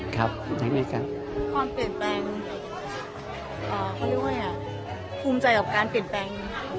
ความเปลี่ยนแปลงเขาเรียกว่าภูมิใจกับการเปลี่ยนแปลง